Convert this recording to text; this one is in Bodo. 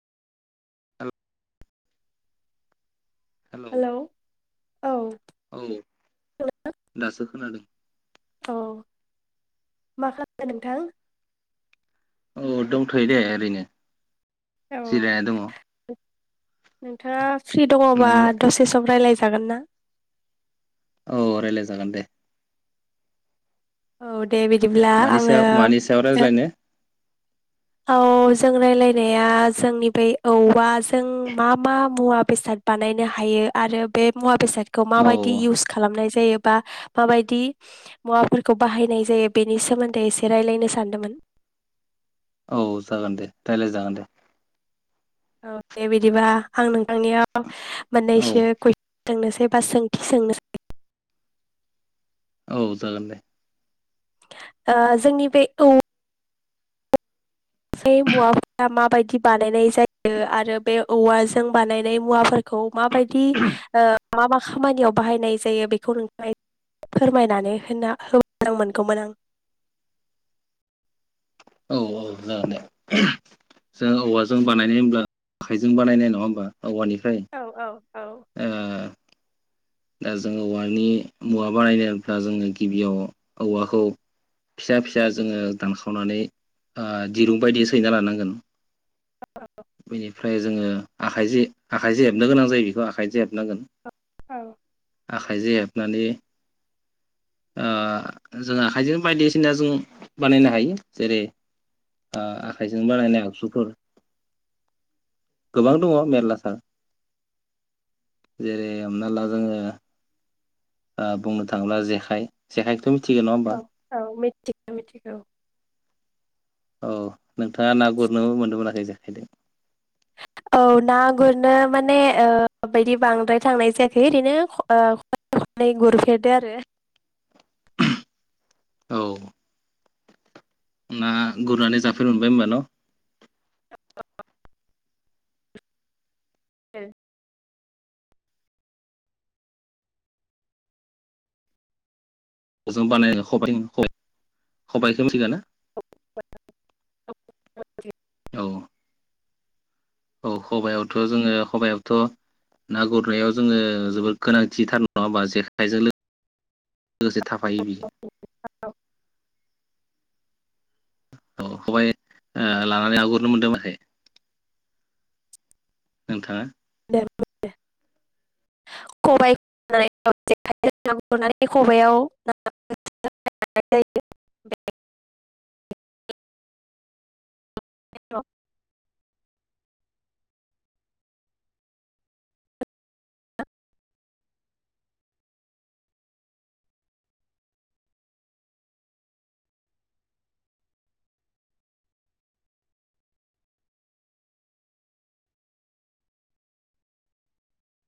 हेल' हेल हेलौ औ औ दासो खोनादों। औ मा खालामदों नोंथां। औ दंथयो दे ओरैनो। औ जिरायना दङ। नोंथाङा फ्रि दङबा नोंलाय दसे सम रायलाय जागोन ना? औ रायलाय जागोन दे। औ दे बिदिब्ला मानि आङो सायाव मानि सायाव रायज्लायनो औ जों रायलायनाया जोंनि ब औवा जों मा मा मुवा बेसाद बानायनो हायो आरो बे मुवा बेसाद खौ औ माबायदि इउस खालामनाय जायो बा मााबायदि मुवाफोरखौ बाहायनाय जायो बेनि सोमोन्दै एसे रायलायनो सानदोंमोन। औ जागोन दे रायलाय जागोन दे। औ दे बिदिबा आं नोंथांनियाव औ मोननैसो कुइ सोंनोसै बा सोंथि सोंनोसै औ जागोन दे। आ जोंनि बे औ मुवाफोरा माबायदि बानायनाय जायो आरो बे औवाजों बानायनाय मुवाफोर खौ माबायदि ओ मा मा खामानियाव बाहायनाय जायो बेखौ नोंथाङा फोरमायनानै होबा मोजां मोनगौमोन आं। औ औ जागोन दे जों औवाजों बानायनाय होनब्ला आखाइजों बानायनाय नङा होमबा? औवानिफ्राय औ औ औ ओ दा जोङो औवानि मुवा बानायनोब्ला जोङो गिबियाव औवाखौ फिसा फिसा जोङो दानखावनानै आ दिरुं बायदि सैना लानांगोन। बिनि फ्राय जोङो आखाइजो आखाइजो हेबनो गोनां जायो बेखौ आखाइजो हेबनांगोन। औ आखाइजो हेबनानै ओ जों आखाइजोनो बायदिसिना जों बानायनो हायो जेरै आखाइजो बानायनाय आगजुफोर गोबां दङ मेरलाथार जेरै हमना ला जोङो ओ बुंनो थाङोब्ला जेखाय जेखाइखौथ' मि औ औ मिथिगौ मिथिगौ। औ नोंथाङा ना गुरनो मोनदों मोनाखै जेाखायदों? औ ना गुरनो माने ओ बेदि बांद्राय थांनाय जायाखै ओ ओरैनो खननै गुरफेरदो आरो। औ ना गुरनानै जाफेर मोनबाय होनबा न? औ [unintelligible] जों बानाय खबाय-खबायाइखो मिथिगोना? [unintelligible] औ औ खबायावथ' जोङो खबायावथ' ना गुरनायाव जोङो जोबोद गोनांथिथार नङा होमबा जेखाइजों लोगो-लोगोसे था [unintelligible] औ खबाय ओ लानानै ना गुरनो मोनदों ना मोनाखै? नोंथाङा [unintelligible] [unintelligible]